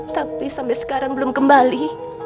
tapi sampai sekarang belum kembali